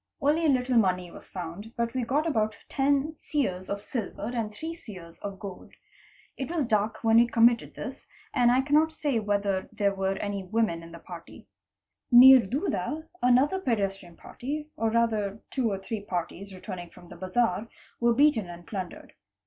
Only a little money was found, but we got about ten seers of silver and three seers of gold. It was dark when we com mitted this, and I cannot say whether there were any women in the > party, Near Doodda another pedestrian party, or rather two or three parties returning from the bazaar, were beaten and plundered.